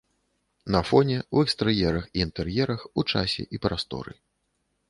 На фоне, у экстэр'ерах і інтэр'ерах, у часе і прасторы.